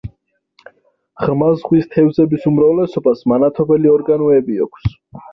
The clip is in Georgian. ღრმა ზღვის თევზების უმრავლესობას მანათობელი ორგანოები აქვს.